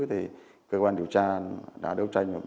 thì cơ quan điều tra đã đấu tranh